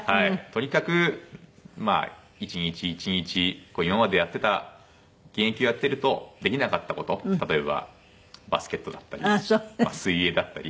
とにかく一日一日今までやってた現役をやってるとできなかった事例えばバスケットだったり水泳だったり。